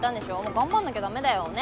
頑張んなきゃ駄目だよ。ね？